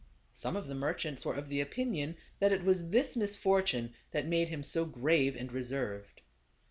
Some of the merchants were of the opinion that it was this misfortune that made him so grave and reserved.